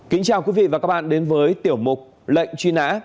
kính chào quý vị và các bạn đến với tiểu mục lệnh truy nã